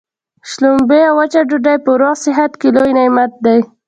شلومبې او وچه ډوډۍ په روغ صحت کي لوی نعمت دی.